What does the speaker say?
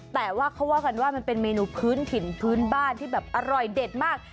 แต่ว่าเขาว่ากันว่ามันเป็นเมนูพื้นถิ่นพื้นบ้านที่แบบอร่อยเด็ดมาก